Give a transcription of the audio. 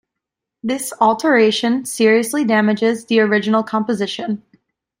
This alteration seriously damages the original composition.